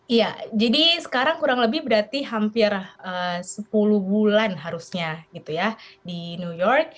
iya jadi sekarang kurang lebih berarti hampir sepuluh bulan harusnya gitu ya di new york